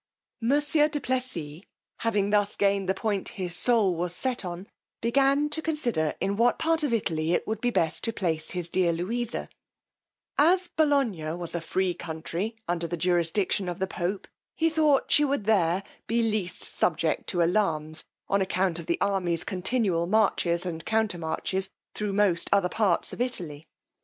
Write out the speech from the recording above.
Monsieur du Plessis having thus gained the point his soul was let on, began to consider in what part of Italy it would be best to place his dear Louisa: as Bolognia was a free country, under the jurisdiction of the Pope, he thought she would there be the least subject to alarms, on account of the army's continual marches and countermarches thro' most other parts of Italy.